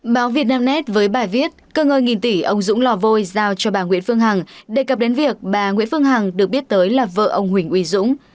báo việt nam nét với bài viết cơ ngơi nghìn tỷ ông dũng lò vôi giao cho bà nguyễn phương hằng đề cập đến việc bà nguyễn phương hằng được biết tới là vợ ông huỳnh uy dũng